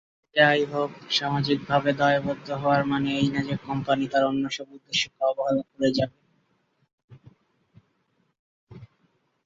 যাইহোক, সামাজিকভাবে দায়বদ্ধ হওয়ার মানে এই না যে কোম্পানি তার অন্যসব উদ্দেশ্যকে অবহেলা করে যাবে।